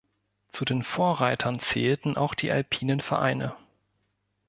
Zu den Vorreitern zählten auch die alpinen Vereine.